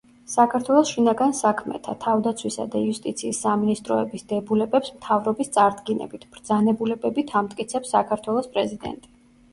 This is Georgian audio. საქართველოს შინაგან საქმეთა, თავდაცვისა და იუსტიციის სამინისტროების დებულებებს მთავრობის წარდგინებით, ბრძანებულებით ამტკიცებს საქართველოს პრეზიდენტი.